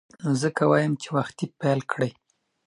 نو ځکه وایم چې وختي پیل کړئ.